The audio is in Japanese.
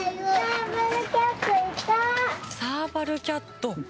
サーバルキャット。